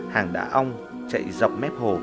hàng đá ong chạy dọc mép hồ